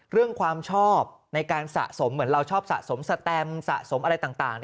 ความชอบในการสะสมเหมือนเราชอบสะสมสแตมสะสมอะไรต่าง